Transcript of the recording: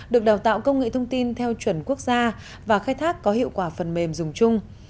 được đào tạo công nghệ thông tin theo chuẩn quốc gia và khai thác có hiệu quả phần mềm dùng chung